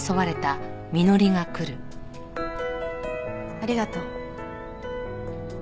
ありがとう。